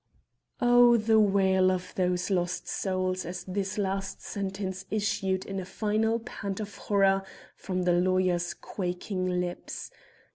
O, the wail of those lost souls as this last sentence issued in a final pant of horror from the lawyer's quaking lips!